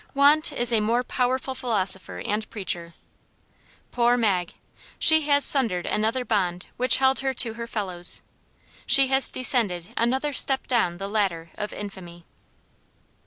Want is a more powerful philosopher and preacher. Poor Mag. She has sundered another bond which held her to her fellows. She has descended another step down the ladder of infamy.